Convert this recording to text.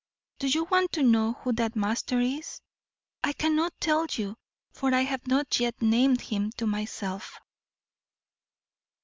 Do you want to know who that master is? I cannot tell you, for I have not yet named him to myself.